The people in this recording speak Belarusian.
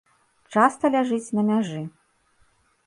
Часта ляжыць на мяжы.